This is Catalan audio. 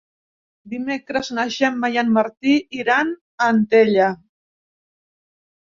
Dimecres na Gemma i en Martí iran a Antella.